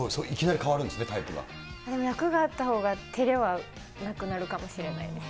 役があったほうが、照れはなくなるかもしれないですね。